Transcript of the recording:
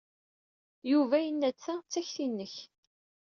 Yuba yenna-d ta d takti-inek.